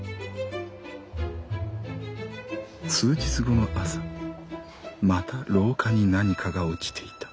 「数日後の朝また廊下に何かが落ちていた。